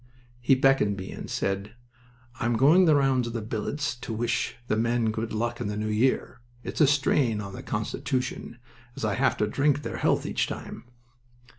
He beckoned to me and said: "I'm going the rounds of the billets to wish the men good luck in the new year. It's a strain on the constitution, as I have to drink their health each time!"